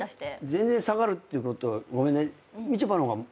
全然差があるってことはごめんね。